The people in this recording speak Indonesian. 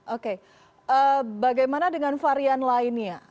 oke bagaimana dengan varian lainnya